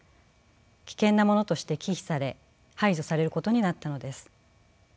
危険なものとして忌避され排除されることになったのです。